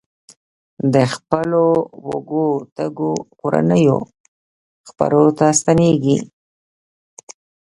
د خپلو وږو تږو کورنیو څپرو ته ستنېږي.